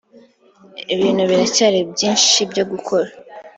ibintu biracyari byinshi byo gukora